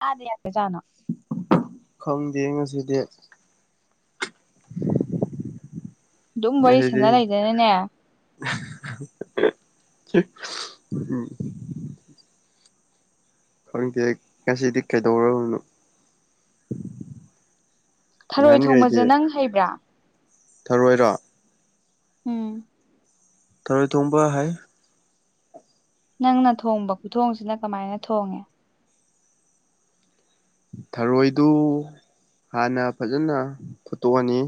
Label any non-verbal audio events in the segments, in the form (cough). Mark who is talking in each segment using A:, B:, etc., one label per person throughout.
A: ꯑꯥꯗ ꯌꯥꯗ ꯖꯥꯠꯅꯣ
B: ꯈꯪꯗꯦ ꯉꯁꯤꯗꯤ
A: ꯗꯨꯝ ꯋꯥꯔꯤ
B: ꯉꯁꯤꯗꯤ
A: ꯁꯥꯟꯅ ꯂꯩꯗꯅꯅꯦ
B: ꯎꯝ (unintelligible) ꯈꯪꯗꯦꯍꯩ ꯉꯁꯤꯗꯤ ꯀꯩꯗꯧꯔꯕꯅꯣ
A: ꯊꯔꯣꯏ ꯊꯣꯡꯕꯖꯦ
B: ꯅꯍꯥꯟꯈꯩꯗꯤ
A: ꯅꯪ ꯍꯩꯕ꯭ꯔꯥ
B: ꯊꯔꯣꯏꯔꯣ
A: ꯎꯝ꯫
B: ꯊꯔꯣꯢ ꯊꯣꯡꯕ ꯍꯩ
A: ꯅꯪꯅ ꯊꯣꯡꯕ ꯈꯨꯊꯣꯡꯁꯤꯅ ꯀꯃꯥꯏꯅ ꯊꯣꯡꯉꯤ
B: ꯊꯔꯣꯏꯗꯨ ꯍꯥꯟꯅ ꯐꯖꯅꯥ ꯐꯨꯠꯇꯣꯛꯑꯅꯤ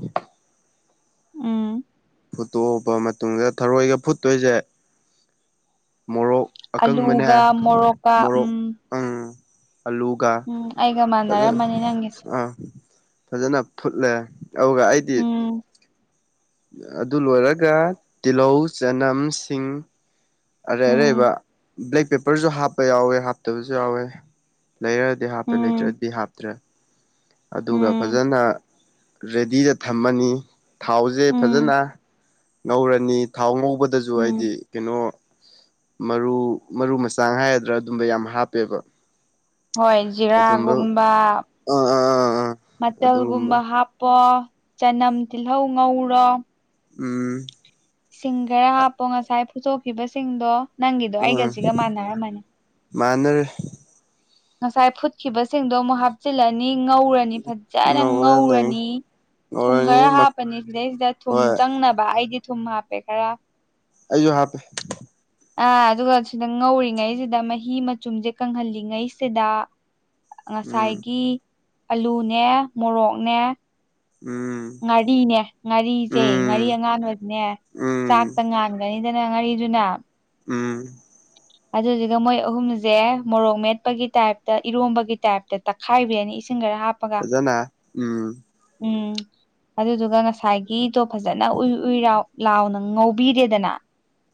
A: ꯎꯝ꯫
B: ꯐꯨꯠꯇꯣꯛꯑꯕ ꯃꯇꯨꯡꯗ ꯊꯔꯣꯏꯒ ꯐꯨꯠꯇꯣꯏꯁꯦ ꯃꯣꯔꯣꯛ ꯑꯀꯪꯕꯅꯦ
A: ꯑꯂꯨꯒ ꯃꯣꯔꯣꯛꯀ
B: ꯃꯣꯔꯣꯛ
A: ꯎꯝ
B: ꯎꯝ ꯑꯂꯨꯒ
A: ꯎꯝ ꯑꯩꯒ
B: ꯐꯖꯥꯟ
A: ꯃꯥꯟꯅꯔꯝꯃꯅꯤ ꯅꯪꯒꯤꯁꯦ
B: ꯑꯥ ꯐꯖꯅꯥ ꯐꯨꯠꯂꯦ ꯑꯗꯨꯒ ꯑꯩꯗꯤ
A: ꯎꯝ
B: ꯑꯗꯨ ꯂꯣꯏꯔꯒ ꯇꯤꯜꯍꯧ ꯆꯅꯝ ꯁꯤꯡ ꯑꯔꯩ ꯑꯔꯩꯕ
A: ꯎꯝ
B: ꯕ꯭ꯂꯦꯛ ꯄꯦꯄꯔꯖꯨ ꯍꯥꯞꯄ ꯌꯥꯎꯋꯦ ꯍꯥꯞꯇꯕꯖꯨ ꯌꯥꯎꯋꯦ ꯂꯩꯔꯗꯤ ꯍꯥꯞꯄꯦ
A: ꯎꯝ
B: ꯂꯩꯇ꯭ꯔꯥꯗꯤ ꯍꯥꯞꯇ꯭ꯔꯦ ꯑꯗꯨꯒ
A: ꯎꯝ
B: ꯐꯖꯅꯥ ꯔꯦꯗꯤꯗ ꯊꯝꯃꯅꯤ ꯊꯥꯎꯖꯦ
A: ꯎꯝ
B: ꯐꯖꯅꯥ ꯉꯧꯔꯅꯤ ꯊꯥꯎ ꯉꯧꯕꯗꯖꯨ
A: ꯎꯝ
B: ꯍꯥꯏꯗꯤ ꯀꯩꯅꯣ ꯃꯔꯨ ꯃꯔꯨ ꯃꯆꯜ ꯍꯥꯏꯒꯗ꯭ꯔꯥ ꯑꯗꯨꯝꯕ ꯌꯥꯝ ꯍꯥꯞꯄꯦꯕ
A: ꯍꯣꯏ
B: ꯑꯗꯨꯝꯕ
A: ꯖꯤꯔꯥꯒꯨꯝꯕ
B: ꯑꯥ ꯑꯥ ꯑꯥ ꯑꯥ ꯑꯗꯨꯒꯨꯝꯕ
A: ꯃꯆꯜꯒꯨꯝꯕ ꯍꯥꯞꯄꯣ ꯆꯅꯝ ꯇꯤꯜꯍꯧ ꯉꯧꯔꯣ
B: ꯎꯝ꯫
A: ꯁꯤꯡ ꯈꯔ ꯍꯥꯞꯄꯣ ꯉꯁꯥꯏ ꯐꯨꯠꯇꯣꯛꯈꯤꯕ ꯁꯤꯡꯗꯣ ꯅꯪꯒꯤꯗꯣ ꯑꯩꯒꯁꯤꯒ ꯃꯥꯟꯅꯔꯝꯃꯅꯤ
B: ꯃꯅꯥꯔꯦ
A: ꯉꯁꯥꯏ ꯐꯨꯠꯈꯤꯕꯁꯤꯡꯗꯣ ꯑꯃꯨꯛ ꯍꯥꯞꯆꯤꯜꯂꯅꯤ ꯉꯧꯔꯅꯤ ꯐꯠꯖꯅ ꯉꯧꯔꯅꯤ ꯊꯨꯝ
B: ꯉꯧꯔꯅꯤ
A: ꯈꯔ ꯍꯥꯞꯄꯅꯤ ꯁꯤꯗꯩꯁꯤꯗ ꯊꯨꯝ
B: ꯍꯣꯏ
A: ꯆꯪꯅꯕ ꯑꯩꯗꯤ ꯊꯨꯝ ꯍꯥꯞꯄꯦ ꯈꯔ
B: ꯑꯩꯖꯨ ꯍꯥꯞꯄꯦ
A: ꯑ ꯑꯗꯨꯒ ꯁꯤꯗ ꯉꯧꯔꯤꯉꯩꯖꯤꯗ ꯃꯍꯤ ꯃꯆꯨꯝꯁꯦ ꯀꯪꯍꯜꯂꯤꯉꯩꯁꯤꯗ
B: ꯎꯝ
A: ꯉꯁꯥꯏꯒꯤ ꯑꯂꯨꯅꯦ ꯃꯣꯔꯣꯛꯅꯦ
B: ꯎꯝ꯫
A: ꯉꯥꯔꯤꯅꯦ ꯉꯥꯔꯤꯖꯦ ꯉꯥꯔꯤ
B: ꯎꯝ
A: ꯑꯉꯥꯟꯕꯁꯤꯅꯦ
B: ꯎꯝ
A: ꯆꯥꯛꯇ ꯉꯥꯟꯒꯅꯤꯗꯅ ꯉꯥꯔꯤꯗꯨꯅ
B: ꯎꯝ꯫
A: ꯑꯗꯨꯗꯨꯒ ꯃꯣꯏ ꯑꯍꯨꯝꯖꯦ ꯃꯣꯔꯣꯛ ꯃꯦꯠꯄꯒꯤ ꯇꯥꯏꯞꯇ ꯏꯔꯣꯝꯕꯒꯤ ꯇꯥꯏꯞꯇ ꯇꯛꯈꯥꯏꯕꯤꯔꯅꯤ ꯏꯁꯤꯡ ꯈꯔ ꯍꯥꯞ
B: ꯐꯖꯅꯥ ꯎꯝ
A: ꯎꯝ ꯑꯗꯨꯗꯨꯒ ꯉꯁꯥꯏꯒꯤꯗꯣ ꯐꯖꯅꯥ ꯎꯏ ꯎꯏ ꯔꯥꯎ ꯂꯥꯎꯅ ꯉꯧꯕꯤꯔꯦꯗꯅ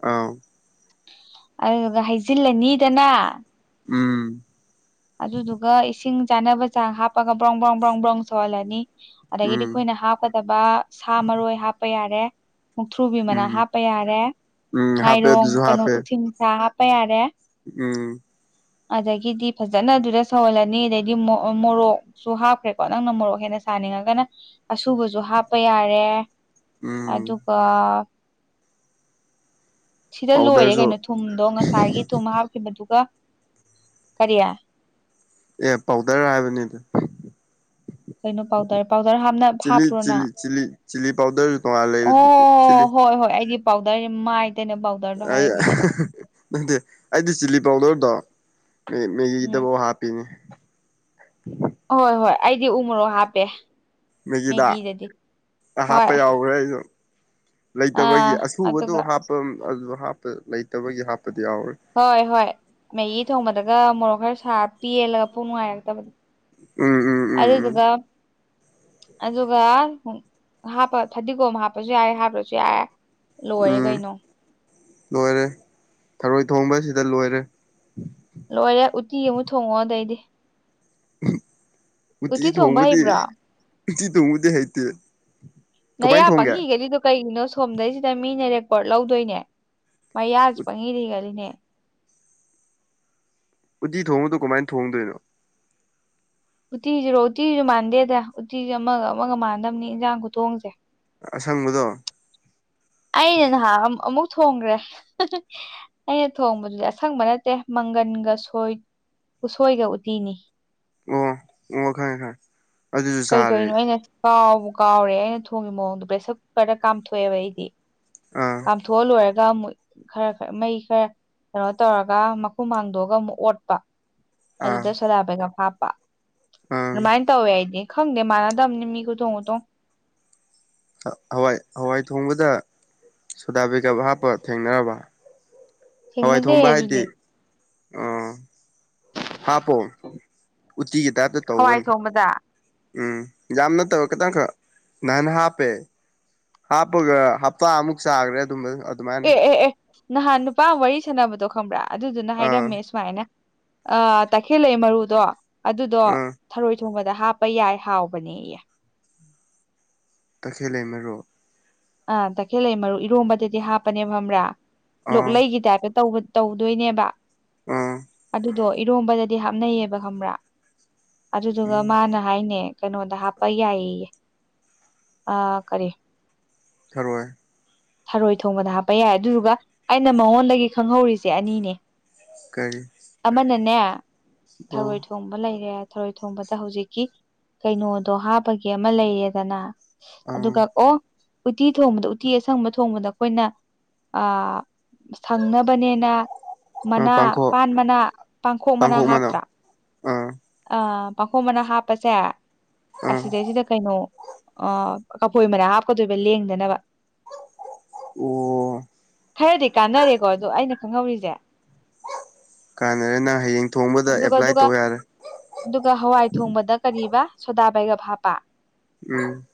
B: ꯑꯥꯎ
A: ꯑꯗꯨꯗꯨꯒ ꯍꯩꯖꯤꯜꯂꯅꯤꯗꯅ
B: ꯎꯝ꯫
A: ꯑꯗꯨꯗꯨꯒ ꯏꯁꯤꯡ ꯆꯥꯅꯕ ꯆꯥꯡ ꯍꯥꯞꯄꯒ ꯕ꯭ꯔꯣꯡ ꯕ꯭ꯔꯣꯡ ꯕ꯭ꯔꯣꯡ ꯕ꯭ꯔꯣꯡ ꯁꯧꯍꯜꯂꯅꯤ ꯑꯗꯥꯒꯤꯗꯤ
B: ꯎꯝ
A: ꯑꯩꯈꯣꯏꯅ ꯍꯥꯞꯀꯗꯕ ꯁꯥ ꯃꯔꯣꯏ ꯍꯥꯞꯄ ꯌꯥꯔꯦ ꯃꯨꯛꯊ꯭ꯔꯨꯕꯤ ꯃꯅꯥ
B: ꯎꯝ
A: ꯍꯥꯞꯄ ꯌꯥꯔꯦ
B: ꯎꯝ ꯍꯥꯞꯄꯦ
A: ꯉꯥꯏꯔꯣꯡ
B: ꯑꯗꯨꯁꯨ
A: ꯀꯩꯅꯣ
B: ꯍꯥꯞꯄꯦ
A: ꯎꯊꯤꯟꯁꯥ ꯍꯥꯞꯄ ꯌꯥꯔꯦ
B: ꯎꯝ꯫
A: ꯑꯗꯥꯒꯤꯗꯤ ꯐꯖꯅꯥ ꯑꯗꯨꯗ ꯁꯧꯍꯜꯂꯅꯤ ꯑꯗꯩꯗꯤ ꯃꯣ ꯃꯣꯔꯣꯛ ꯁꯨ ꯍꯥꯞꯈ꯭ꯔꯦꯀꯣ ꯅꯪꯅ ꯃꯣꯔꯣꯛ ꯍꯦꯟꯅ ꯁꯥꯍꯟꯅꯤꯡꯉꯒꯅ ꯑꯁꯨꯕꯁꯨ ꯍꯥꯞꯄ ꯌꯥꯔꯦ꯫
B: ꯎꯝ
A: ꯑꯗꯨꯒ ꯁꯤꯗ ꯂꯣꯏꯔꯦ
B: ꯄꯥꯎꯗꯔꯁꯨ
A: ꯀꯩꯅꯣ꯫ ꯊꯨꯝꯗꯣ ꯉꯁꯥꯏꯒꯤ ꯊꯨꯝ ꯍꯥꯞꯈꯤꯕꯗꯨꯒ ꯀꯔꯤ꯫
B: ꯑꯦ ꯄꯥꯎꯗꯔ ꯍꯥꯏꯕꯅꯤꯗ꯫
A: ꯀꯩꯅꯣ ꯄꯥꯎꯗꯔ ꯄꯥꯎꯗꯔ ꯍꯥꯞꯅ
B: ꯆꯤꯂꯤ
A: ꯍꯥꯞꯄ꯭ꯔꯣ ꯅꯪ꯫
B: Chilli chilli chilli powder.
A: ꯑꯣ ꯍꯣꯏ ꯍꯣꯏ ꯑꯩꯗꯤ ꯄꯥꯎꯗꯔ ꯍꯥꯏꯗꯤ ꯃꯥꯏ ꯇꯩꯅꯕ ꯄꯥꯎ
B: ꯑꯩ ꯅꯠꯇꯦ ꯑꯩꯗꯤ ꯆꯤꯂꯤ ꯄꯥꯎꯗꯔꯗꯣ ꯃꯦ
A: ꯎꯝ
B: ꯃꯦꯒꯤꯗꯕꯧ ꯍꯥꯞ ꯄꯤꯅꯦ꯫
A: ꯍꯣꯏ ꯍꯣꯏ ꯑꯩꯗꯤ ꯎꯃꯣꯔꯣꯛ ꯍꯥꯞꯄꯦ꯫
B: ꯃꯦꯒꯤꯗ
A: ꯃꯦꯒꯤꯗꯗꯤ
B: ꯑꯥ
A: ꯍꯣꯏ
B: ꯍꯥꯞꯄ ꯌꯥꯎꯒ꯭ꯔꯦ ꯑꯩꯁꯨ꯫ ꯂꯩꯇꯕꯒꯤ
A: ꯑꯥ
B: ꯑꯁꯨꯕꯗꯣ
A: ꯑꯗꯨꯒ
B: ꯍꯥꯞꯄ ꯑꯗꯨ ꯍꯥꯞꯄ ꯂꯩꯇꯕꯒꯤ ꯍꯥꯞꯄꯗꯤ ꯌꯥꯎꯔꯦ꯫
A: ꯍꯣꯏ ꯍꯣꯏ ꯃꯦꯒꯤ ꯊꯣꯡꯕꯗꯒ ꯃꯣꯔꯣꯛ ꯈꯔ ꯁꯥꯔ ꯄꯦꯜꯂꯒ ꯄꯨꯛ ꯅꯨꯡꯉꯥꯏꯔꯛꯇꯕ
B: ꯎꯝ ꯎꯝ ꯎꯝ
A: ꯑꯗꯨꯗꯨꯒ ꯑꯗꯨꯒ ꯍꯥꯞꯄ ꯐꯗꯤꯒꯣꯝ ꯍꯥꯞꯄꯁꯨ ꯌꯥꯔꯦ ꯍꯥꯞꯇ꯭ꯔꯁꯨ ꯌꯥꯔꯦ꯫ ꯂꯣꯏꯔꯦ
B: ꯎꯝ
A: ꯀꯩꯅꯣ
B: ꯂꯣꯏꯔꯦ ꯊꯔꯣꯏ ꯊꯣꯡꯕ ꯁꯤꯗ ꯂꯣꯏꯔꯦ꯫
A: ꯂꯣꯏꯔꯦ ꯎꯇꯤ ꯑꯃꯨꯛ ꯊꯣꯡꯉꯛꯑꯣ ꯑꯗꯩꯗꯤ ꯎꯇꯤ ꯊꯣꯡꯕ ꯍꯩꯕ꯭ꯔꯣ꯫
B: ꯎꯇꯤ ꯊꯣꯡꯕꯗꯤ ꯍꯩꯇꯦ꯫
A: ꯅꯌꯥ
B: ꯀꯃꯥꯏꯅ ꯊꯣꯡꯒꯦ
A: ꯄꯪꯍꯤ ꯍꯤꯒꯠꯂꯤꯗꯣ ꯀꯩꯒꯤꯅꯣ ꯁꯣꯝꯗꯩꯁꯤꯗ ꯃꯤꯅ ꯔꯦꯀꯣꯔꯠ ꯂꯧꯗꯣꯏꯅꯦ꯫ ꯃꯩꯌꯥꯁꯤ ꯄꯪꯍꯤꯗ ꯍꯤꯒꯠꯂꯤꯅꯦ꯫
B: ꯎꯠꯇꯤ ꯊꯣꯡꯕꯗꯣ ꯀꯃꯥꯏꯟ ꯊꯣꯡꯗꯣꯏꯅꯣ꯫
A: ꯎꯇꯤꯖꯤꯔꯣ ꯎꯇꯤꯁꯤꯖꯨ ꯃꯥꯟꯗꯦꯗ ꯎꯇꯤꯖꯦ ꯑꯃꯥꯒ ꯑꯃꯥꯒ ꯃꯥꯅꯗꯝꯅꯤ ꯏꯟꯖꯥꯡ ꯈꯨꯊꯣꯡꯁꯦ꯫
B: ꯑ ꯑꯁꯪꯕꯗꯣ꯫
A: ꯑꯩꯅ ꯅꯍꯥꯟ ꯑꯝ ꯑꯃꯨꯛ ꯊꯣꯡꯒ꯭ꯔꯦ꯫ ꯑꯩꯅ ꯊꯣꯡꯕꯗꯨꯗꯤ ꯑꯁꯪꯕ ꯅꯠꯇꯦ ꯃꯪꯒꯟꯒ ꯁꯣꯏ ꯎꯁꯣꯏꯒ ꯎꯇꯤꯅꯤ꯫
B: ꯑꯣ ꯑꯣ ꯈꯪꯉꯦ ꯈꯪꯉꯦ꯫ ꯑꯗꯨꯁꯨ
A: ꯀꯩ
B: ꯆꯥꯔꯦ
A: ꯀꯩꯅꯣ ꯑꯩꯅ ꯀꯥꯎꯕꯨ ꯀꯥꯎꯔꯦ ꯑꯩꯅ ꯊꯣꯡꯒꯤ ꯃꯑꯣꯡꯗꯣ ꯄ꯭ꯔꯦꯁꯔ ꯀꯨꯀꯔꯗ ꯀꯥꯝꯊꯣꯛꯑꯦꯕ ꯑꯩꯗꯤ꯫
B: ꯑꯥ꯫
A: ꯀꯥꯝꯊꯣꯛꯑ ꯂꯣꯏꯔꯒ ꯑꯃꯨꯠ ꯈꯔ ꯈꯔ ꯃꯩ ꯈꯔ ꯀꯩꯅꯣ ꯇꯧꯔꯒ ꯃꯈꯨꯝ ꯍꯥꯡꯗꯣꯛꯑꯒ ꯑꯃꯨꯛ ꯑꯣꯠꯄ꯫
B: ꯑꯥ
A: ꯑꯗꯨꯗ ꯁꯣꯗꯥ ꯕꯥꯏꯒꯞ ꯍꯥꯞꯄ
B: ꯑꯥ
A: ꯑꯗꯨꯃꯥꯏꯟ ꯇꯧꯋꯦ ꯑꯩꯗꯤ꯫ ꯈꯪꯗꯦ ꯃꯥꯥꯟꯅꯗꯝꯅꯤ ꯃꯤ ꯈꯨꯊꯣꯡ ꯈꯨꯊꯣꯡ꯫
B: ꯍ ꯍꯋꯥꯏ ꯍꯋꯥꯏ ꯊꯣꯡꯕꯗ ꯁꯣꯗꯥ ꯕꯥꯏꯒꯞ ꯍꯥꯞꯄ ꯊꯦꯡꯅꯔꯕ꯫ ꯍꯋꯥꯏ
A: ꯊꯦꯡꯅꯗꯦ
B: ꯊꯣꯡꯕ ꯍꯥꯏꯗꯤ
A: ꯑꯗꯨꯗꯤ
B: ꯑꯣ ꯍꯥꯞꯄꯣ ꯎꯇꯤꯒꯤ ꯇꯥꯏꯞꯇ
A: ꯍꯋꯥꯏ
B: ꯇꯧꯕꯅꯦ꯫
A: ꯊꯣꯡꯕꯗ
B: ꯎꯝ ꯌꯥꯝ ꯅꯠꯇꯕ ꯈꯤꯇꯪꯈꯛ ꯅꯍꯥꯟ ꯍꯥꯞꯄꯦ꯫ ꯍꯥꯞꯄꯒ ꯍꯞꯇꯥ ꯑꯃꯨꯛ ꯆꯥꯒ꯭ꯔꯦ ꯑꯗꯨꯝꯕ ꯑ
A: ꯑꯦ ꯑꯦ ꯑꯦ ꯅꯍꯥꯟ ꯅꯨꯄꯥ ꯑꯃ ꯋꯥꯔꯤ ꯁꯥꯅꯕꯗꯣ ꯈꯪꯕ꯭ꯔꯥ ꯑꯗꯨꯗꯨꯅ
B: ꯑꯥ
A: ꯍꯥꯏꯔꯝꯃꯦ ꯁꯨꯃꯥꯏꯅ꯫ ꯑꯥ ꯇꯈꯦꯜꯂꯩ ꯃꯔꯨꯗꯣ ꯑꯗꯨꯗꯣ
B: ꯑꯥ
A: ꯊꯔꯣꯏ ꯊꯣꯡꯕꯗ ꯍꯥꯞꯄ ꯌꯥꯏ ꯍꯥꯎꯕꯅꯦꯌꯦ꯫
B: ꯇꯈꯦꯜꯂꯩ ꯃꯔꯨ꯫
A: ꯑꯥ ꯇꯈꯦꯜꯂꯩ ꯃꯔꯨ ꯏꯔꯣꯝꯕꯗꯗꯤ ꯍꯥꯞꯄꯅꯦꯕ ꯈꯝꯕ꯭ꯔꯥ
B: ꯑꯥ
A: ꯂꯣꯛꯂꯩꯒꯤ ꯇꯥꯏꯞꯇ ꯇꯧꯕ ꯇꯧꯗꯣꯏꯅꯦꯕ꯫
B: ꯑꯥ꯫
A: ꯑꯗꯨꯗꯣ ꯏꯔꯣꯝꯕꯗꯗꯤ ꯍꯥꯞꯅꯩꯌꯦꯕ ꯈꯝꯕ꯭ꯔꯥ ꯑꯗꯨꯗꯨꯒ
B: ꯎꯝ
A: ꯃꯥꯅ ꯍꯥꯏꯅꯦ꯫ ꯀꯩꯅꯣꯗ ꯍꯥꯄ ꯌꯥꯏꯌꯦꯌꯦ ꯑꯥ ꯀꯔꯤ
B: ꯊꯔꯣꯏ
A: ꯊꯔꯣꯏ ꯊꯣꯡꯕꯗ ꯍꯥꯞꯄ ꯌꯥꯏ ꯑꯗꯨꯗꯨꯒ ꯑꯩꯅ ꯃꯉꯣꯟꯗꯒꯤ ꯈꯪꯍꯧꯔꯤꯖꯦ ꯑꯅꯤꯅꯦ
B: ꯀꯔꯤ
A: ꯑꯃꯅꯅꯦ
B: ꯑꯣ
A: ꯊꯔꯣꯏ ꯊꯣꯡꯕ ꯂꯩꯔꯦ ꯊꯔꯣꯏ ꯊꯣꯡꯕꯗ ꯍꯧꯖꯤꯛꯀꯤ ꯀꯩꯅꯣꯗꯣ ꯍꯥꯞꯄꯒꯤ ꯑꯃ ꯂꯩꯌꯦꯗꯅ ꯑꯗꯨꯒ
B: ꯑꯥ
A: ꯑꯣ ꯎꯇꯤ ꯊꯣꯡꯕꯗ ꯎꯇꯤ ꯑꯁ ꯁꯪꯕ ꯊꯣꯡꯕꯗ ꯑꯩꯈꯣꯏꯅ ꯑ ꯁꯪꯅꯕꯅꯦꯅ ꯃꯅꯥ
B: ꯄꯥꯡꯈꯣꯛ
A: ꯄꯥꯟ ꯃꯅꯥ ꯄꯥꯡꯈꯣꯛ ꯃꯅꯥ ꯍꯥꯞꯇ꯭ꯔꯥ
B: ꯑꯥ
A: ꯑ ꯄꯥꯡꯈꯣꯛ ꯃꯅꯥ ꯍꯥꯞꯄꯁꯦ
B: ꯑꯥ
A: ꯑꯁꯤꯗꯩꯁꯤꯗ ꯀꯩꯅꯣ ꯑ ꯀꯐꯣꯏ ꯃꯅꯥ ꯍꯥꯞꯀꯗꯣꯏꯕ ꯂꯦꯡꯗꯅꯕ
B: ꯑꯣ
A: ꯈꯔꯗꯤ ꯀꯥꯟꯅꯔꯦꯀꯣ ꯑꯗꯣ ꯑꯩꯅ ꯈꯪꯍꯧꯔꯤꯖꯦ
B: ꯀꯥꯟꯅꯔꯦ ꯅꯪ ꯍꯌꯦꯡ ꯊꯣꯡꯕꯗ
A: ꯑꯗꯨꯒ
B: ꯑꯦꯄ꯭ꯂꯥꯏ
A: ꯑꯗꯨꯒ
B: ꯇꯧ ꯌꯥꯔꯦ
A: ꯑꯗꯨꯒ ꯍꯋꯥꯏ ꯊꯣꯡꯕꯗ ꯀꯔꯤ ꯑꯕ ꯁꯣꯗꯥ ꯕꯩꯒꯞ ꯍꯥꯞꯄ
B: ꯎꯝ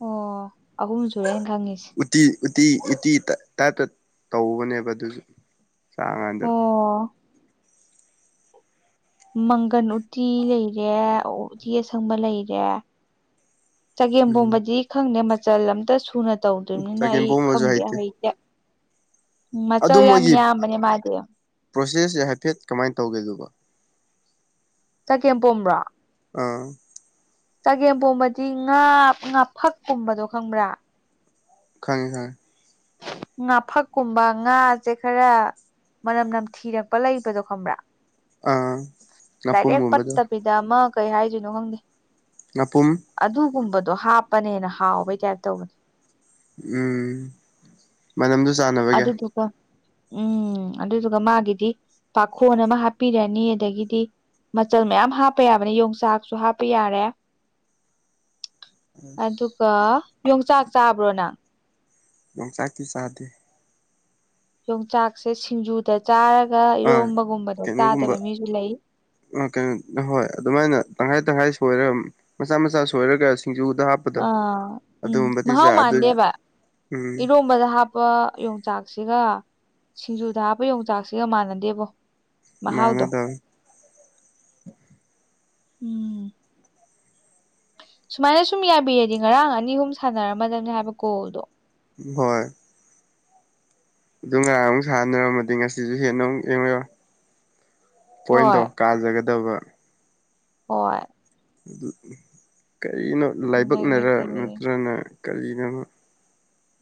A: ꯑꯣ ꯑꯍꯨꯝꯁꯨꯨꯔꯦ ꯑꯩ ꯈꯪꯉꯤꯁꯦ
B: ꯎꯇꯤ ꯎꯇꯤ ꯎꯇꯤ ꯇ ꯇꯥꯏꯞꯇ ꯇꯧꯕꯅꯦꯕ ꯑꯗꯨꯁꯨ ꯆꯥꯀꯥꯟꯗ
A: ꯑꯣ ꯃꯪꯒꯟ ꯎꯇꯤ ꯂꯩꯔꯦ ꯎꯇꯤ ꯑꯁꯪꯕ ꯂꯩꯔꯦ ꯆꯒꯦꯝ
B: ꯎꯝ
A: ꯄꯣꯝꯕꯗꯤ ꯈꯪꯗꯦ ꯃꯆꯜ ꯑꯝꯇ ꯁꯨꯅ ꯇꯧꯗ꯭ꯔꯤꯝꯅꯤꯅ
B: ꯆꯒꯦꯝ
A: ꯑꯩ
B: ꯄꯣꯝꯕꯁꯨ
A: ꯈꯪꯗꯦ ꯍꯩꯇꯦ ꯃꯆꯜ ꯌꯥꯝ ꯌꯥꯝꯕꯅꯦ ꯃꯥꯗꯤ
B: ꯄ꯭ꯔꯣꯁꯦꯁ ꯁꯦ ꯍꯥꯏꯐꯦꯠ ꯀꯃꯥꯏ ꯇꯧꯒꯦ ꯑꯗꯨꯕꯣ
A: ꯆꯒꯦꯝꯄꯣꯝꯕ꯭ꯔꯣ
B: ꯑꯥ
A: ꯆꯒꯦꯝꯄꯣꯝꯕꯗꯤ ꯉꯥ ꯉꯥꯐꯛꯀꯨꯝꯕꯗꯣ ꯈꯪꯕ꯭ꯔꯥ
B: ꯈꯪꯉꯦ ꯈꯪꯉꯦ
A: ꯉꯥꯐꯛꯀꯨꯝꯕ ꯉꯥꯖꯦ ꯈꯔ ꯃꯅꯝ ꯅꯝ ꯊꯤꯔꯛꯄ ꯂꯩꯕꯗꯣ ꯈꯪꯕ꯭ꯔꯥ
B: ꯑꯥ
A: ꯗꯥꯏꯔꯦꯛ
B: ꯉꯥꯄꯨꯝꯒꯨꯝꯕꯗꯣ
A: ꯄꯠꯇꯕꯤꯗ ꯑꯃ ꯀꯩ ꯍꯥꯏꯗꯣꯏꯅꯣ ꯈꯪꯗꯦ
B: ꯉꯥꯄꯨꯝ
A: ꯑꯗꯨꯒꯨꯝꯕꯗꯣ ꯍꯥꯞꯄꯅ ꯍꯦꯟꯅ ꯍꯥꯎꯕꯩ ꯇꯥꯏꯞ ꯇꯧꯕꯅꯦ
B: ꯎꯝ ꯃꯅꯝꯗꯨ ꯆꯥꯟꯅ
A: ꯑꯗꯨꯗꯨꯒ ꯎꯝ ꯑꯗꯨꯗꯨꯒ ꯃꯥꯒꯤꯗꯤ ꯄꯥꯈꯣꯟ ꯑꯃ ꯍꯥꯞꯄꯤꯔꯅꯤ ꯑꯗꯒꯤꯗꯤ ꯃꯆꯜ ꯃꯌꯥꯝ ꯍꯥꯞꯄ ꯌꯥꯕꯅꯦ ꯌꯣꯡꯆꯥꯛꯁꯨ ꯍꯥꯞꯄ ꯌꯥꯔꯦ
B: (inaudible) ꯑꯁ
A: ꯑꯗꯨꯒ ꯌꯣꯡꯆꯥꯛ ꯆꯥꯕ꯭ꯔꯣ ꯅꯪ
B: ꯌꯣꯡꯆꯥꯛꯇꯤ ꯆꯥꯗꯦ
A: ꯌꯣꯡꯆꯥꯛꯁꯦ ꯁꯤꯡꯖꯨꯗ ꯆꯥꯔꯒ
B: ꯑꯥ
A: ꯏꯔꯣꯝꯕꯒꯨꯝꯕꯗ ꯇꯥꯗꯕ ꯃꯤꯖꯨ ꯂꯩ
B: ꯑ ꯀꯩꯅꯣ ꯍꯣꯏ ꯑꯗꯨꯃꯥꯏꯅ ꯇꯪꯈꯥꯏ ꯇꯪꯈꯥꯏ ꯁꯣꯏꯔ ꯃꯆꯥ ꯃꯆꯥ ꯁꯣꯏꯔꯒ ꯁꯤꯡꯖꯨꯗ ꯍꯥꯞ
A: ꯑꯥ ꯎꯝ ꯃꯍꯥꯎ ꯃꯥꯟꯗꯦꯕ
B: ꯎꯝ
A: ꯏꯔꯣꯝ ꯨꯕꯗ ꯍꯥꯞꯄ ꯌꯣꯡꯆꯥꯛꯁꯤꯒ ꯁꯤꯡꯖꯨꯗ ꯍꯥꯞꯄ ꯌꯣꯡꯆꯥꯛꯁꯤꯒ ꯃꯥꯟꯅꯗꯦꯕꯣ ꯃꯍꯥꯎꯗꯣ
B: ꯃꯥꯟꯅꯗꯕꯅꯤ
A: ꯎꯝ ꯁꯨꯃꯥꯏꯅ ꯁꯨꯝ ꯌꯥꯕꯤꯔꯗꯤ ꯉꯔꯥꯡ ꯑꯅꯤ ꯑꯍꯨꯝ ꯁꯥꯟꯅꯔꯝꯃꯗꯕꯅꯦ ꯍꯥꯏꯕ ꯀꯣꯜꯗꯣ꯫
B: ꯍꯣꯏ ꯑꯗꯨ ꯉꯔꯥꯡꯃꯨꯛ ꯁꯥꯟꯅꯔꯝꯃꯗꯤ ꯉꯁꯤꯁꯨ ꯍꯦꯟꯅ ꯑꯃꯨꯛ (unintelligible) ꯄꯣꯏꯟꯗꯣ꯫
A: ꯍꯣꯏ
B: ꯀꯥꯖꯒꯗꯕ꯫
A: ꯍꯣꯏ
B: ꯀꯔꯤꯅꯣ ꯂꯥꯏꯕꯛꯅꯔ
A: ꯑꯗꯒꯤꯗꯤ
B: ꯅꯠꯇ꯭ꯔꯅ ꯀꯔꯤꯅꯣꯝꯃ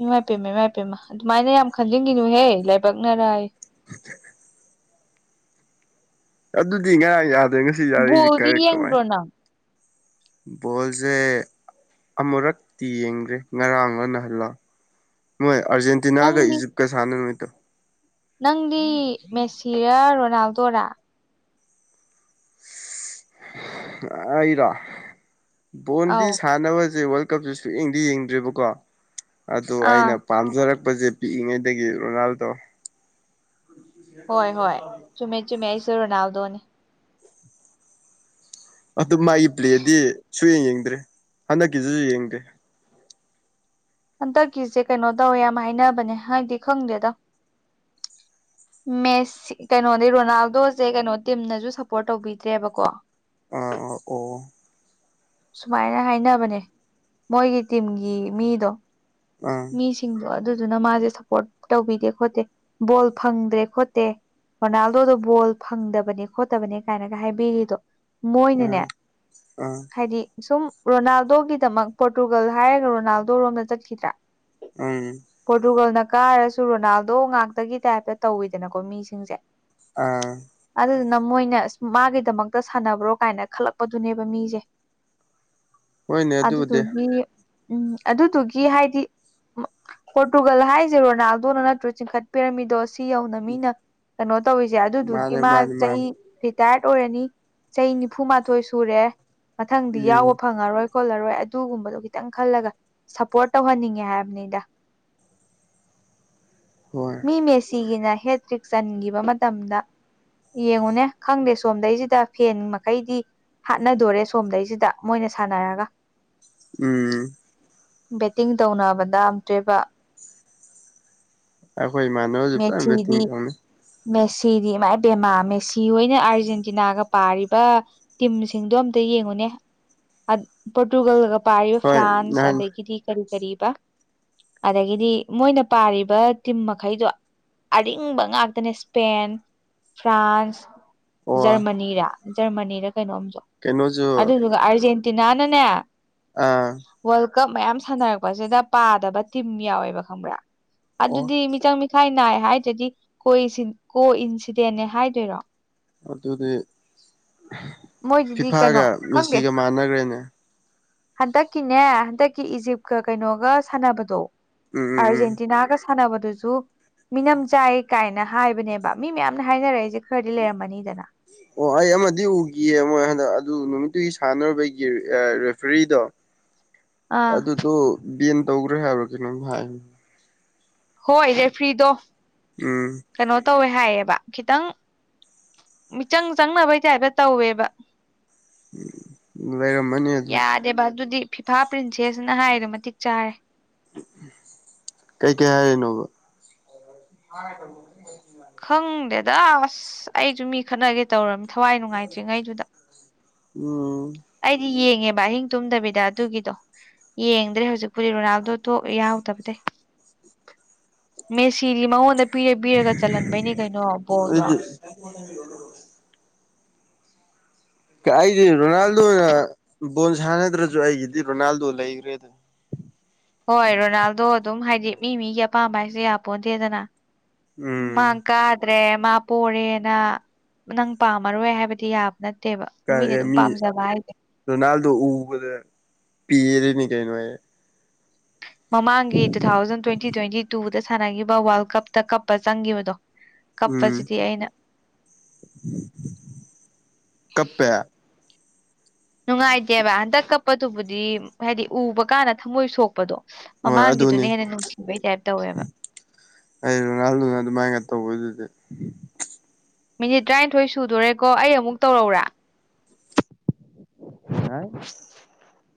A: ꯏꯃꯥꯏ ꯄꯦꯝꯃ ꯏꯃꯥꯏ ꯏꯄꯦꯝꯃ ꯑꯗꯨꯃꯥꯏꯅ ꯌꯥꯝ ꯈꯟꯖꯤꯟꯒꯤꯅꯨꯍꯦ ꯂꯥꯏꯕꯛꯅꯔꯥꯑꯦ꯫
B: (inaudible) ꯑꯗꯨꯗꯤ ꯉꯔꯥꯡ ꯌꯥꯗ꯭ꯔꯦ ꯉꯁꯤ ꯌꯥꯔꯛꯏꯖꯦ
A: ꯕꯣꯜꯗꯤ
B: ꯀꯔꯦ ꯀꯃꯥꯏ
A: ꯌꯦꯡꯕ꯭ꯔꯣ ꯅꯪ
B: ꯕꯣꯜꯁꯦ ꯑꯃꯨꯔꯛꯇꯤ ꯌꯦꯡꯒ꯭ꯔꯦ ꯉꯔꯥꯡꯂ ꯅꯍꯥꯜꯂ꯫ ꯅꯣꯏ ꯑꯥꯔꯖꯦꯟꯇꯤꯅꯥꯒ
A: ꯅꯪꯗꯤ
B: ꯏꯖꯤꯞꯀ ꯁꯥꯟꯅꯃꯤꯠꯇꯣ꯫
A: ꯅꯪꯗꯤ ꯃꯦꯁꯤꯔ ꯔꯣꯅꯥꯜꯗꯣꯔꯥ꯫
B: ꯑꯩꯔꯣ ꯕꯣꯟꯗꯤ
A: ꯑꯧ
B: ꯁꯥꯟꯅꯕꯖꯦ ꯋꯥꯜ ꯀꯞꯁꯦ ꯁꯨꯛꯌꯦꯡꯗꯤ ꯌꯦꯡꯗ꯭ꯔꯤꯕꯀꯣ ꯑꯗꯣ
A: ꯑꯥ
B: ꯑꯩꯅ ꯄꯥꯝꯖꯔꯛꯄꯖꯦ ꯄꯤꯛꯏꯉꯩꯗꯒꯤ ꯔꯣꯅꯥꯜꯗꯣ꯫
A: ꯍꯣꯏ ꯍꯣꯏ ꯆꯨꯝꯃꯦ ꯆꯨꯝꯃꯦ ꯑꯩꯁꯨ ꯔꯣꯅꯥꯜꯗꯣꯅꯦ꯫
B: ꯑꯗꯨ ꯃꯥꯒꯤ ꯄ꯭ꯂꯦꯗꯤ ꯁꯨꯌꯦꯡ ꯌꯦꯡꯗ꯭ꯔꯦ ꯍꯟꯗꯛꯀꯤꯁꯤꯁꯨ ꯌꯦꯡꯗꯦ꯫
A: ꯍꯟꯗꯛꯀꯤꯁꯦ ꯀꯩꯅꯣ ꯇꯧꯋꯦ ꯌꯥꯝ ꯍꯥꯏꯅꯕꯅꯦ ꯍꯥꯏꯗꯤ ꯈꯪꯗꯦꯗ꯫
B: (inaudible)
A: ꯃꯦꯁ ꯀꯩꯅꯣꯗꯤ ꯔꯣꯅꯥꯜꯗꯣꯁꯦ ꯀꯩꯅꯣ ꯇꯤꯝꯅꯁꯨ ꯁꯞꯄꯣꯔꯠ ꯇꯧꯕꯤꯗ꯭ꯔꯦꯕꯀꯣ꯫
B: ꯑ ꯑ ꯑꯣ
A: ꯁꯨꯃꯥꯏꯅ ꯍꯥꯏꯅꯕꯅꯦ ꯃꯣꯏꯒꯤ ꯇꯤꯝꯒꯤ ꯃꯤꯗꯣ
B: ꯑ
A: ꯃꯤꯁꯤꯡꯗꯣ ꯑꯗꯨꯗꯨꯅ ꯃꯥꯁꯦ ꯁꯞꯄꯣꯔꯠ ꯇꯧꯕꯤꯗꯦ ꯈꯣꯠꯇꯦ ꯕꯣꯜ ꯐꯪꯗ꯭ꯔꯦ ꯈꯣꯠꯇꯦ꯫ ꯔꯣꯅꯥꯜꯗꯣꯗꯣ ꯕꯣꯜ ꯐꯪꯗꯕꯅꯦ ꯈꯣꯠꯇꯕꯅꯦ ꯀꯥꯏꯅꯒ ꯍꯥꯏꯕꯤꯔꯤꯗꯣ꯫ ꯃꯣꯏꯅꯅꯦ
B: ꯑꯥ ꯑꯥ
A: ꯍꯥꯏꯗꯤ ꯁꯨꯝ ꯔꯣꯅꯥꯜꯗꯣꯒꯤꯗꯃꯛ ꯄꯣꯔꯇꯨꯒꯜ ꯍꯥꯏꯔꯒ ꯔꯣꯅꯥꯜꯗꯣ ꯔꯣꯝꯗ ꯆꯠꯈꯤꯗ꯭ꯔꯥ
B: ꯎꯝ
A: ꯄꯣꯔꯇꯨꯒꯜꯅ ꯀꯥꯔꯁꯨ ꯔꯣꯅꯥꯜꯗꯣ ꯉꯥꯛꯇꯒꯤ ꯇꯥꯏꯞꯇ ꯇꯧꯋꯤꯗꯅꯀꯣ ꯃꯤꯁꯤꯡꯁꯦ꯫
B: ꯑꯥ
A: ꯑꯗꯨꯗꯨꯅ ꯃꯣꯏꯅ ꯃꯥꯒꯤꯗꯃꯛꯇ ꯁꯥꯟꯅꯕ꯭ꯔꯣ ꯀꯥꯏꯅ ꯈꯜꯂꯛꯄꯗꯨꯅꯦꯕ ꯃꯤꯁꯦ꯫
B: (inaudible) ꯍꯣꯏꯅꯦ ꯑꯗꯨꯕꯨꯗꯤ
A: ꯑꯗꯨꯗꯨꯒꯤ ꯎꯝ ꯑꯗꯨꯗꯨꯒꯤ ꯍꯥꯏꯗꯤ ꯄꯣꯔꯇꯨꯒꯜ ꯍꯥꯏꯁꯦ ꯔꯣꯅꯥꯜꯗꯣꯅ ꯅꯠꯇ꯭ꯔꯣ ꯆꯤꯡꯈꯠꯄꯤꯔꯝꯃꯤꯗꯣ ꯁꯤ ꯁꯤ ꯌꯧꯅ ꯃꯤꯅ ꯀꯩꯅꯣ ꯇꯧꯔꯤꯁꯦ ꯑꯗꯨꯗꯨꯒꯤ
B: ꯃꯥꯅꯦ
A: ꯃꯥ
B: ꯃꯥꯅꯦ
A: ꯆꯍꯤ
B: ꯃꯥꯅꯦ
A: ꯇꯥꯌ꯭ꯔꯠ ꯑꯣꯏꯔꯅꯤ ꯆꯍꯤ ꯅꯤꯐꯨꯃꯥꯊꯣꯏ ꯁꯨꯔꯦ ꯃꯊꯪꯗꯤ ꯌꯥꯎꯕ
B: ꯎꯝ
A: ꯐꯪꯉꯔꯣꯏ꯫ ꯈꯣꯠꯂꯔꯣꯏ ꯑꯗꯨꯒꯨꯝꯕꯗꯣ ꯈꯤꯇꯪ ꯈꯜꯂꯒ ꯁꯞꯄꯣꯔꯠ ꯇꯧꯍꯟꯅꯤꯡꯉꯦ ꯍꯥꯏꯕꯅꯤꯗ꯫
B: ꯍꯣꯏ
A: ꯃꯤ ꯃꯦꯁꯤꯒꯤꯅ ꯍꯦꯇ꯭ꯔꯤꯛ ꯆꯟꯈꯤꯕ ꯃꯇꯝꯗ ꯌꯦꯡꯉꯨꯅꯦ ꯈꯪꯗꯦ ꯁꯣꯝꯗꯩꯁꯤꯗ ꯐꯦꯟ ꯃꯈꯩꯗꯤ ꯍꯥꯠꯅꯗꯣꯔꯦ ꯁꯣꯝꯗꯩꯁꯤꯗ ꯃꯣꯏꯅ ꯁꯥꯟꯅꯔꯒ
B: ꯎꯝ
A: ꯕꯦꯠꯇꯤꯡ ꯇꯧꯅꯕꯗ ꯑꯝꯇꯣꯢꯕ꯫
B: ꯑꯩꯈꯣꯏ ꯏꯃꯥꯟ
A: ꯃꯦꯛꯆꯤꯗꯤ ꯃꯦꯁꯤꯗꯤ ꯃꯥꯏ ꯄꯦꯃꯥ ꯃꯦꯁꯤ ꯍꯣꯏꯅ ꯑꯥꯔꯖꯦꯟꯇꯤꯅꯥꯒ ꯄꯥꯔꯤꯕ ꯇꯤꯝꯁꯤꯡꯗꯣ ꯑꯝꯇ ꯌꯦꯡꯉꯨꯅꯦ ꯑꯟ ꯄꯣꯔꯇꯨꯒꯜꯒ ꯄꯥꯔꯤꯕ
B: ꯍꯣꯏ
A: ꯐ꯭ꯔꯥꯟꯁ
B: ꯅꯍꯥꯟ
A: ꯑꯗꯒꯤꯗꯤ ꯀꯔꯤ ꯀꯔꯤꯑꯕ ꯑꯗꯒꯤꯗꯤ ꯃꯣꯏꯅ ꯄꯥꯔꯤꯕ ꯇꯤꯝ ꯃꯈꯩꯗꯣ ꯑꯔꯤꯡꯕ ꯉꯥꯛꯇꯅꯦ ꯏꯁꯄꯦꯟ ꯐ꯭ꯔꯥꯟꯁ
B: ꯑꯣ
A: ꯖꯔꯃꯅꯤꯔꯥ ꯖꯔꯃꯅꯤꯔ ꯀꯩꯅꯣꯝꯁꯨ
B: ꯀꯩꯅꯣꯁꯨ
A: ꯑꯗꯨꯗꯨꯒ ꯑꯥꯔꯖꯦꯟꯇꯤꯅꯥꯅꯅꯦ
B: ꯑꯥ
A: ꯋꯥꯜ ꯀꯞ ꯃꯌꯥꯝ ꯁꯥꯟꯅꯔꯛꯄꯁꯤꯗ ꯄꯥꯗꯕ ꯇꯤꯝ ꯌꯥꯎꯋꯦꯕ ꯈꯪꯕ꯭ꯔꯥ
B: ꯑꯣ
A: ꯑꯗꯨꯗꯤ ꯃꯤꯆꯪ ꯃꯤꯈꯥꯏ ꯅꯥꯏ ꯍꯥꯏꯗ꯭ꯔꯗꯤ ꯀꯣ ꯏꯁꯤꯟ ꯀꯣ ꯏꯟꯁꯤꯗꯦꯟꯅꯦ ꯍꯥꯏꯗꯣꯏꯔꯣ
B: ꯑꯗꯨꯗꯤ
A: ꯃꯣꯏꯁꯤꯗꯤ ꯀꯩꯅꯣ
B: ꯐꯤꯐꯥꯒ
A: ꯈꯪꯗꯦ
B: ꯃꯦꯁꯤꯒ ꯃꯥꯟꯅꯈ꯭ꯔꯦꯅꯦ
A: ꯍꯟꯗꯛꯀꯤꯅꯦ ꯍꯟꯗꯛꯀꯤ ꯏꯖꯤꯞꯀ ꯀꯩꯅꯣꯒ ꯁꯥꯟꯅꯕꯗꯣ
B: ꯎꯝ ꯎꯝ
A: ꯑꯔꯖꯦꯟꯇꯤꯅꯥꯒ ꯁꯥꯅꯕꯗꯨꯖꯨ ꯃꯤꯅꯝ ꯆꯥꯏ ꯀꯥꯏꯅ ꯍꯥꯏꯕꯅꯦꯕ ꯃꯤ ꯃꯌꯥꯝꯅ ꯍꯥꯏꯅꯔꯛꯏꯖꯦ ꯑꯗꯨ ꯈꯔꯗꯤ ꯂꯩꯔꯝꯃꯅꯤꯗꯅ
B: ꯑꯣ ꯑꯩ ꯑꯃꯗꯤ ꯎꯒꯤꯌꯦ ꯃꯣꯏ ꯍꯟꯗꯛ ꯑꯗꯨ ꯅꯨꯃꯤꯠꯇꯨꯒꯤ ꯁꯥꯟꯅꯔꯨꯕꯒꯤ ꯑ ꯔꯦꯐ꯭ꯔꯤꯗꯣ
A: ꯑꯥ
B: ꯑꯗꯨꯗꯨ ꯕꯦꯟ ꯇꯧꯒ꯭ꯔꯦ ꯍꯥꯏꯕ ꯀꯩꯅꯣꯝ ꯍꯥꯏ
A: ꯍꯣꯏ ꯔꯦꯐ꯭ꯔꯤꯗꯣ
B: ꯎꯝ
A: ꯀꯩꯅꯣ ꯇꯧꯋꯦ ꯍꯥꯏꯌꯦꯕ ꯈꯤꯇꯪ ꯃꯤꯆꯪ ꯆꯪꯅꯕꯩ ꯇꯥꯏꯞꯇ ꯇꯧꯋꯦꯕ
B: ꯂꯩꯔꯝꯃꯅꯤ ꯑꯗꯨ
A: ꯌꯥꯗꯦꯕ ꯑꯗꯨꯗꯤ ꯐꯤꯐꯥ ꯄ꯭ꯔꯤꯟꯁꯦꯁꯅ ꯍꯥꯏꯗꯣ ꯃꯇꯤꯛ ꯆꯥꯔꯦ
B: ꯀꯩ ꯀꯩ ꯍꯥꯏꯔꯤꯅꯣꯕ (unintelligible)
A: ꯈꯪꯗꯦꯗ ꯑꯁ ꯑꯩꯁꯨ ꯃꯤ ꯈꯠꯅꯒꯦ ꯇꯧꯔꯝꯅꯦ ꯊꯋꯥꯏ ꯅꯨꯡꯉꯥꯏꯇ꯭ꯔꯤꯉꯩꯗꯨꯗ
B: ꯎꯝ
A: ꯑꯩꯗꯤ ꯌꯦꯡꯉꯦꯕ ꯑꯍꯤꯡ ꯇꯨꯝꯗꯕꯤꯗ ꯑꯗꯨꯒꯤꯗꯣ ꯌꯦꯡꯗ꯭ꯔꯦ ꯍꯧꯖꯤꯛꯄꯨꯗꯤ ꯔꯣꯅꯥꯜꯗꯣ ꯊꯣꯛ ꯌꯥꯎꯗꯕꯗꯩ ꯃꯦꯁꯤꯗꯤ ꯃꯉꯣꯟꯗ ꯄꯤꯔ ꯄꯤꯔꯒ ꯆꯜꯍꯟꯕꯩꯅꯦ ꯀꯩꯅꯣ ꯕꯣꯜꯗꯣ
B: (unintelligible) ꯑꯩꯗꯤ ꯔꯣꯅꯥꯜꯗꯣꯅ ꯕꯣꯜ ꯁꯥꯟꯅꯗ꯭ꯔꯁꯨ ꯑꯩꯒꯤꯗꯤ ꯔꯣꯅꯥꯜꯗꯣ ꯂꯩꯒꯔꯦꯗ
A: ꯍꯣꯏ ꯔꯣꯅꯥꯜꯗꯣ ꯑꯗꯨꯝ ꯍꯥꯏꯗꯤ ꯃꯤ ꯃꯤꯒꯤ ꯑꯄꯥꯝꯕ ꯍꯥꯏꯁꯦ ꯌꯥ ꯄꯣꯟꯇꯦꯗꯅ ꯃꯥꯡ
B: ꯎꯝ
A: ꯀꯥꯠ ꯇꯔꯦ ꯃꯥ ꯄꯣꯔꯦꯅ ꯅꯪ ꯄꯥꯝꯃꯔꯣꯏ ꯍꯥꯏꯕꯗꯤ ꯌꯥꯕ ꯅꯠ ꯇꯦꯕ ꯅꯨ ꯃꯤꯅ
B: ꯀꯥꯏ
A: ꯑꯗꯨꯝ
B: ꯃꯤ
A: ꯄꯥꯝꯖꯕ ꯍꯥꯏꯖꯦ
B: ꯔꯣꯅꯥꯜꯗꯣ ꯎꯕꯗ ꯄꯦꯔꯤꯅꯤ ꯀꯩꯅꯣ ꯑꯩ
A: ꯃꯃꯥꯡꯒꯤ ꯇꯨ ꯊꯥꯎꯖꯟ ꯇꯣꯏꯟꯇꯤ ꯇꯣꯏꯟꯇꯤ ꯇꯨꯗ ꯁꯥꯟꯅꯈꯤꯕ ꯋꯥꯜ ꯀꯞꯇ ꯀꯞꯄ ꯆꯪꯈꯤꯕꯗꯣ
B: ꯎꯝ
A: ꯀꯞꯄꯁꯤꯗꯤ ꯑꯩꯅ
B: ꯀꯞꯄꯦ
A: ꯅꯨꯡꯉꯥꯏꯇꯦꯕ ꯍꯟꯗꯛ ꯀꯞꯄꯗꯨꯕꯨꯗꯤ ꯍꯥꯏꯗꯤ ꯎꯕ ꯀꯥꯟꯗ ꯊꯝꯃꯣꯏ ꯁꯣꯛꯄꯗꯣ
B: ꯍꯣꯏ ꯑꯗꯨꯅꯤ
A: ꯃꯃꯥꯡꯒꯤꯗꯨꯅ ꯍꯦꯟꯅ ꯅꯨꯡꯁꯤꯕꯩ ꯇꯥꯏꯞ ꯇꯧꯋꯦꯕ
B: ꯑꯩ ꯔꯣꯅꯥꯜ ꯗꯨꯗ ꯑꯗꯨ ꯃꯥꯥꯏꯅ ꯇꯧꯕꯗꯨꯗꯤ
A: ꯃꯤꯅꯤꯠ ꯇꯔꯥꯏꯊꯣꯏ ꯁꯨꯗꯣꯔꯦꯀꯣ ꯑꯩ ꯑꯃꯨꯛ ꯇꯧꯔꯛꯑꯣꯔꯥ
B: ꯌꯥꯏ